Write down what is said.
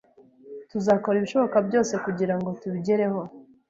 Tuzakora ibishoboka byose kugirango tubigereho.